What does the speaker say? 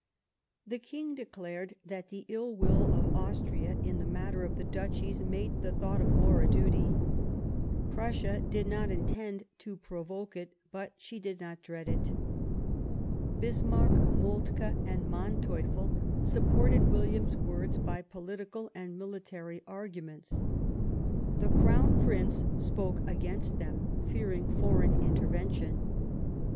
The King declared that the ill will of Austria in the matter of the Duchies made the thought of war a duty ; Prussia did not intend to provoke it, but she did not dread it, Bismarck, Moltke and Manteuffel supported William's words by political and military argu ments. The Crown Prince spoke against them, fearing foreign intervention.